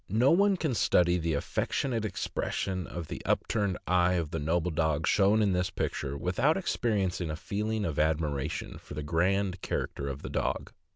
No one can study the affec tionate expression of the upturned eye of the noble dog shown in this picture without experiencing a feeling of admiration for the grand character of the dog.